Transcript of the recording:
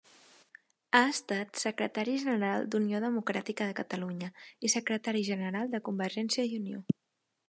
Ha estat Secretari General d'Unió Democràtica de Catalunya i Secretari General de Convergència i Unió.